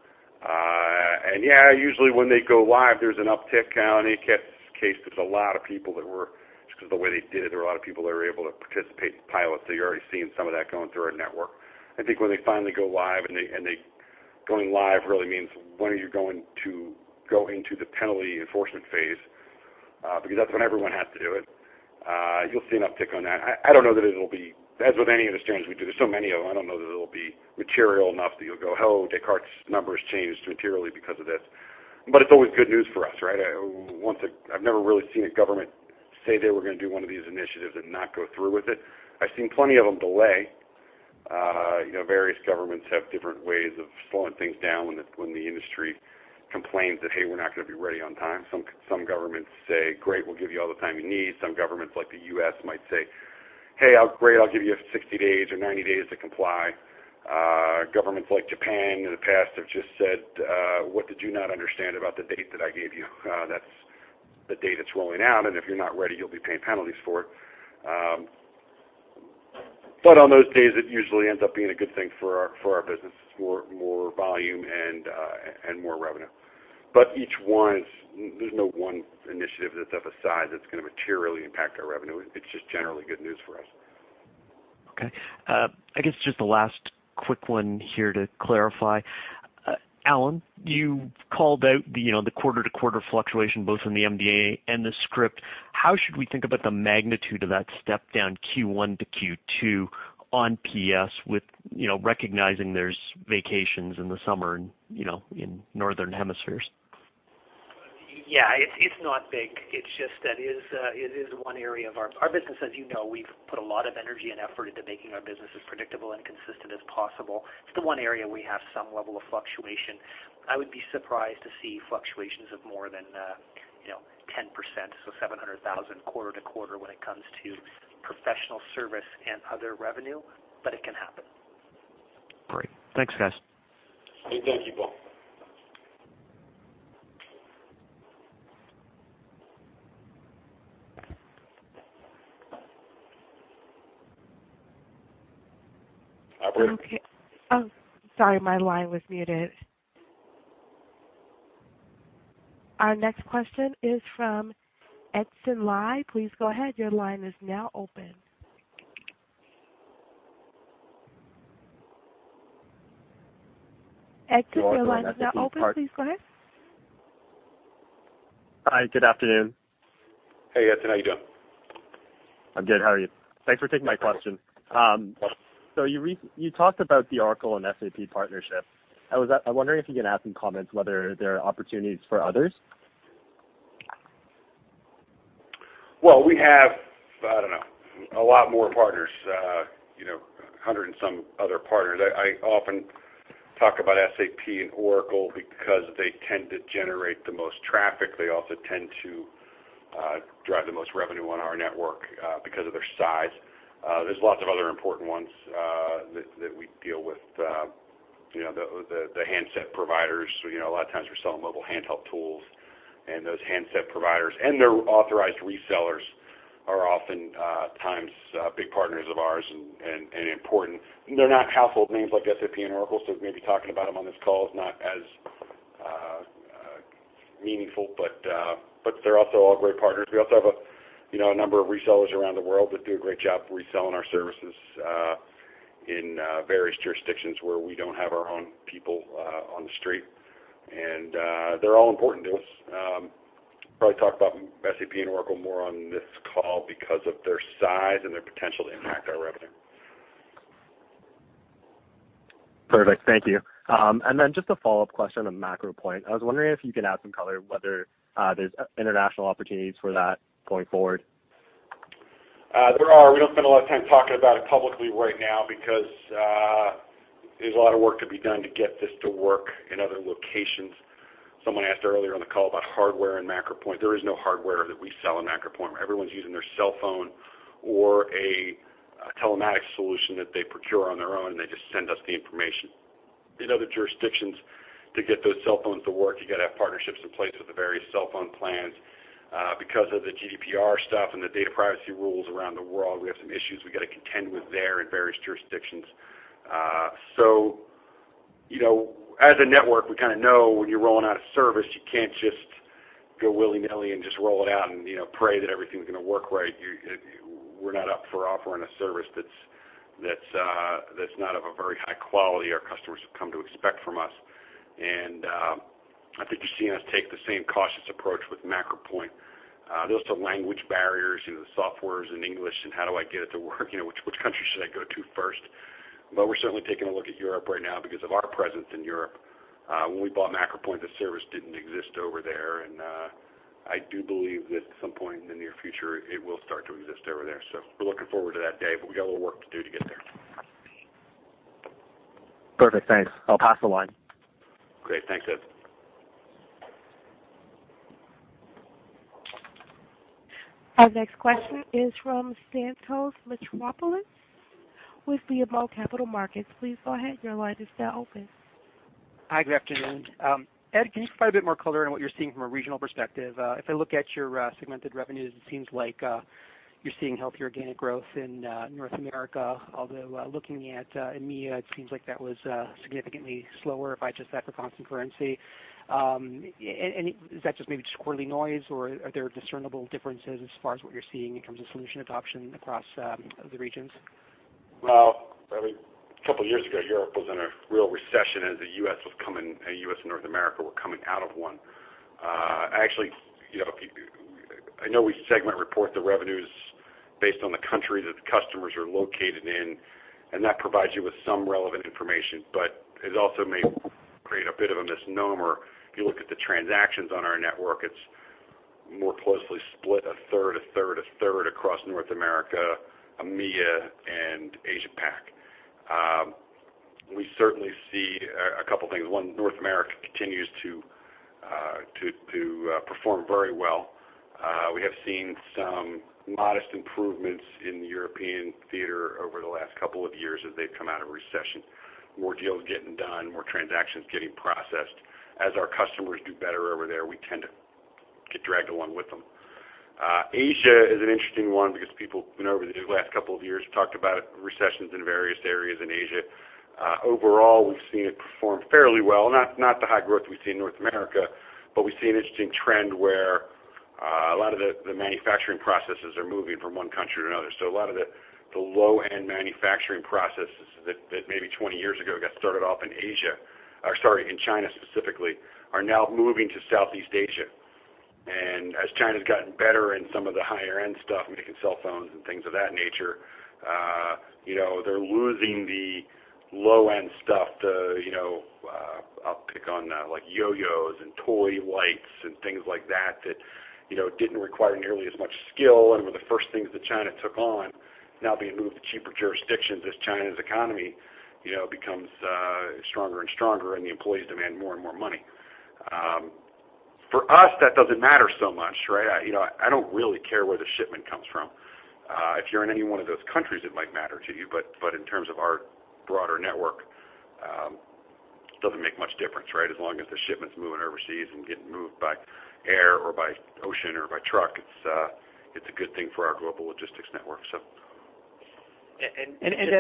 Usually when they go live, there's an uptick. In ACAS case, there's a lot of people that were, just because the way they did it, there were a lot of people that were able to participate in the pilot, so you're already seeing some of that going through our network. I think when they finally go live. Going live really means when are you going to go into the penalty enforcement phase? That's when everyone has to do it. You'll see an uptick on that. I don't know that it'll be, as with any of the standards we do, there's so many of them, I don't know that it'll be material enough that you'll go, "Oh, Descartes' numbers changed materially because of this." It's always good news for us, right? I've never really seen a government say they were going to do one of these initiatives and not go through with it. I've seen plenty of them delay. Various governments have different ways of slowing things down when the industry complains that, "Hey, we're not going to be ready on time." Some governments say, "Great, we'll give you all the time you need." Some governments, like the U.S. might say, "Hey, great, I'll give you 60 days or 90 days to comply." Governments like Japan in the past have just said, "What did you not understand about the date that I gave you? That's the date it's rolling out, and if you're not ready, you'll be paying penalties for it." On those days, it usually ends up being a good thing for our business. It's more volume and more revenue. There's no one initiative that's of a size that's going to materially impact our revenue. It's just generally good news for us. Okay. I guess just the last quick one here to clarify. Allan, you called out the quarter-to-quarter fluctuation both in the MD&A and the script. How should we think about the magnitude of that step down Q1 to Q2 on PS with recognizing there's vacations in the summer and in Northern Hemisphere Yeah. It's not big. It's just that it is one area of our business as you know, we've put a lot of energy and effort into making our business as predictable and consistent as possible. It's the one area we have some level of fluctuation. I would be surprised to see fluctuations of more than 10%, so $700,000 quarter-to-quarter when it comes to professional service and other revenue, but it can happen. Great. Thanks, guys. Thank you, Paul. Operator. Okay. Oh, sorry, my line was muted. Our next question is from Edson Lai. Please go ahead. Your line is now open. Edson, your line is now open. Please go ahead. Hi. Good afternoon. Hey, Edson, how you doing? I'm good. How are you? Thanks for taking my question. Welcome. You talked about the Oracle and SAP partnership. I'm wondering if you can add some comments whether there are opportunities for others. Well, we have, I don't know, a lot more partners. 100 and some other partners. I often talk about SAP and Oracle because they tend to generate the most traffic. They also tend to drive the most revenue on our network because of their size. There's lots of other important ones that we deal with. The handset providers, a lot of times we're selling mobile handheld tools and those handset providers and their authorized resellers are oftentimes big partners of ours and important. They're not household names like SAP and Oracle, so maybe talking about them on this call is not as meaningful, but they're also all great partners. We also have a number of resellers around the world that do a great job reselling our services in various jurisdictions where we don't have our own people on the street. They're all important to us. Probably talk about SAP and Oracle more on this call because of their size and their potential to impact our revenue. Perfect. Thank you. Just a follow-up question on MacroPoint. I was wondering if you can add some color whether there's international opportunities for that going forward. There are. We don't spend a lot of time talking about it publicly right now because there's a lot of work to be done to get this to work in other locations. Someone asked earlier on the call about hardware and MacroPoint. There is no hardware that we sell in MacroPoint, where everyone's using their cell phone or a telematics solution that they procure on their own, and they just send us the information. In other jurisdictions, to get those cell phones to work, you got to have partnerships in place with the various cell phone plans. Because of the GDPR stuff and the data privacy rules around the world, we have some issues we've got to contend with there in various jurisdictions. As a network, we know when you're rolling out a service, you can't just go willy-nilly and just roll it out and pray that everything's going to work right. We're not up for offering a service that's not of a very high quality our customers have come to expect from us. I think you're seeing us take the same cautious approach with MacroPoint. Those are language barriers, the software's in English, and how do I get it to work? Which country should I go to first? We're certainly taking a look at Europe right now because of our presence in Europe. When we bought MacroPoint, the service didn't exist over there, and I do believe that at some point in the near future, it will start to exist over there. We're looking forward to that day, but we got a little work to do to get there. Perfect, thanks. I'll pass the line. Great. Thanks, Ed. Our next question is from Thanos Moschopoulos with BMO Capital Markets. Please go ahead. Your line is now open. Hi, good afternoon. Ed, can you provide a bit more color on what you're seeing from a regional perspective? If I look at your segmented revenues, it seems like you're seeing healthier organic growth in North America, although looking at EMEA, it seems like that was significantly slower if I adjust that for constant currency. Is that just maybe just quarterly noise, or are there discernible differences as far as what you're seeing in terms of solution adoption across the regions? Well, I mean, a couple of years ago, Europe was in a real recession as the U.S. and North America were coming out of one. Actually, I know we segment report the revenues based on the country that the customers are located in, and that provides you with some relevant information, but it also may create a bit of a misnomer. If you look at the transactions on our network, it's more closely split a third, a third, a third across North America, EMEA, and Asia-Pac. We certainly see a couple of things. One, North America continues to perform very well. We have seen some modest improvements in the European theater over the last couple of years as they've come out of recession. More deals getting done, more transactions getting processed. As our customers do better over there, we tend to get dragged along with them. Asia is an interesting one because people over these last couple of years talked about recessions in various areas in Asia. Overall, we've seen it perform fairly well. Not the high growth we see in North America, but we see an interesting trend where a lot of the manufacturing processes are moving from one country to another. A lot of the low-end manufacturing processes that maybe 20 years ago got started off in Asia, or sorry, in China specifically, are now moving to Southeast Asia. As China's gotten better in some of the higher-end stuff, making cell phones and things of that nature, they're losing the low-end stuff. I'll pick on like yo-yos and toy lights and things like that didn't require nearly as much skill and were the first things that China took on, now being moved to cheaper jurisdictions as China's economy becomes stronger and stronger, and the employees demand more and more money. For us, that doesn't matter so much, right? I don't really care where the shipment comes from. If you're in any one of those countries, it might matter to you, but in terms of our broader network, it doesn't make much difference, right? As long as the shipment's moving overseas and getting moved by air or by ocean or by truck, it's a good thing for our Global Logistics Network. Ed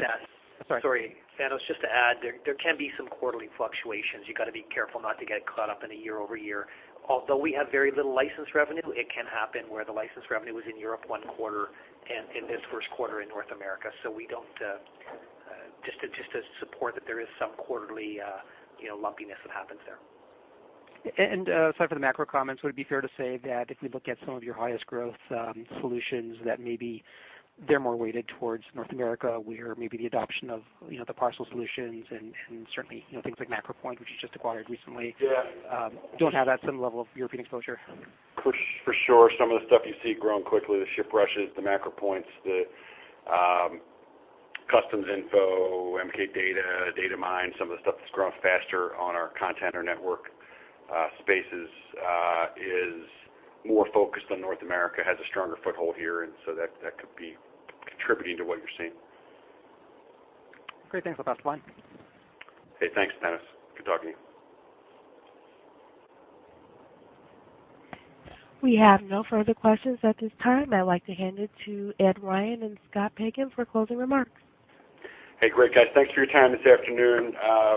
Sorry. Thanos, just to add, there can be some quarterly fluctuations. You got to be careful not to get caught up in a year-over-year. Although we have very little license revenue, it can happen where the license revenue is in Europe one quarter, and in this Q1 in North America. Just to support that there is some quarterly lumpiness that happens there. Sorry for the macro comments. Would it be fair to say that if we look at some of your highest growth solutions, that maybe they're more weighted towards North America, where maybe the adoption of the parcel solutions, and certainly things like MacroPoint, which you just acquired recently. Yeah don't have that same level of European exposure? For sure. Some of the stuff you see growing quickly, the ShipRush, the MacroPoint, the CustomsInfo, MK Data, Datamyne, some of the stuff that's growing faster on our content or network spaces is more focused on North America, has a stronger foothold here, and so that could be contributing to what you're seeing. Great. Thanks. I'll pass the line. Hey, thanks, Thanos. Good talking to you. We have no further questions at this time. I'd like to hand it to Ed Ryan and Scott Pagan for closing remarks. Hey, great guys. Thanks for your time this afternoon.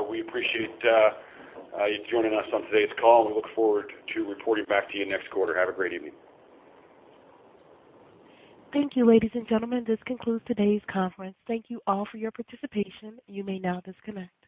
We appreciate you joining us on today's call, and we look forward to reporting back to you next quarter. Have a great evening. Thank you, ladies and gentlemen. This concludes today's conference. Thank you all for your participation. You may now disconnect.